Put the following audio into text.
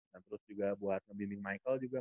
terus juga buat membimbing michael juga